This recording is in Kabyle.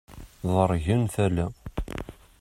Ḍeṛgen tala.